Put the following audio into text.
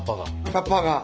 カッパが。